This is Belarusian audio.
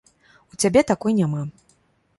У цябе такой няма.